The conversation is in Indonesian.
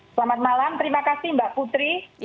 selamat malam terima kasih mbak putri